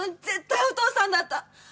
絶対お父さんだった。